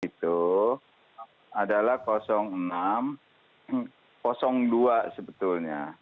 itu adalah enam dua sebetulnya